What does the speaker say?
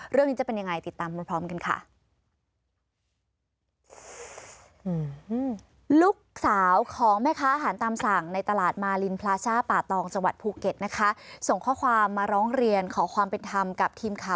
เรื่องนี้จะเป็นยังไงติดตามพร้อมกันค่ะ